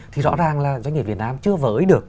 thì rõ ràng là doanh nghiệp việt nam chưa với được